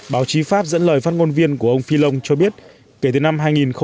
báo chí pháp dẫn lời phát ngôn viên của ông philing cho biết kể từ năm hai nghìn một mươi